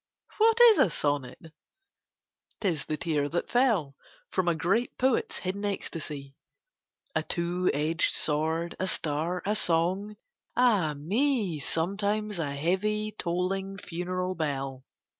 What is a sonnet ? 'T is the tear that fell From a great poet's hidden ecstasy ; A two edged sword, a star, a song — ah me I Sometimes a heavy tolling funeral bell.